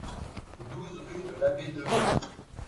douze rue de l'Abbé Devaux